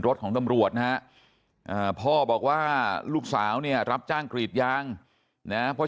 รถของตำรวจนะฮะพ่อบอกว่าลูกสาวเนี่ยรับจ้างกรีดยางนะเพราะ